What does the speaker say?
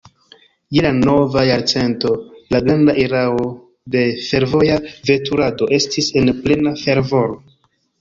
Je la nova jarcento, la granda erao de fervoja veturado estis en plena fervoro.